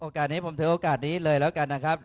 การนี้ผมถือโอกาสนี้เลยแล้วกันนะครับ